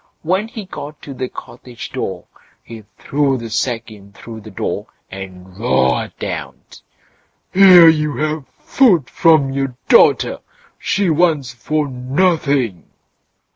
When he got to the cottage door he threw the sack in through the door, and roared out: "Here you have food from your daughter; she wants for nothing."